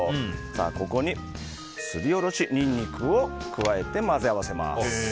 ここに、すりおろしニンニクを加えて混ぜ合わせます。